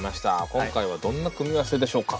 今回はどんな組み合わせでしょうか。